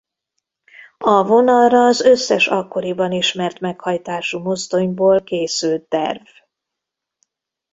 A vonalra az összes akkoriban ismert meghajtású mozdonyból készült terv.